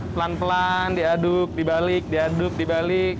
pelan pelan diaduk dibalik diaduk dibalik